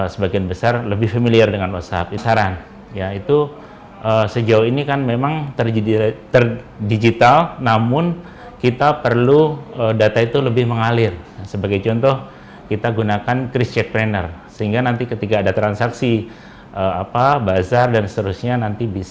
sebagai sarana pertukaran informasi yang cepat mudah dan tanpa batasan